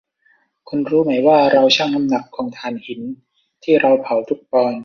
คุณรู้ไหมว่าเราชั่งน้ำหนักของถ่านหินที่เราเผาทุกปอนด์